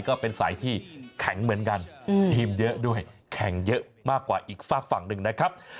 ก็เป็นสายที่แข็งเหมือนกันทีมเยอะด้วยแข่งเยอะมากกว่าอีกฝากฝั่งหนึ่งนะครับ